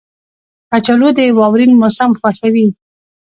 کچالو د واورین موسم خوښوي